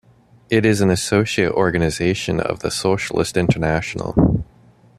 It is an associate organisation of the Socialist International.